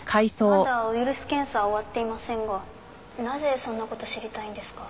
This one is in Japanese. まだウイルス検査終わっていませんがなぜそんな事知りたいんですか？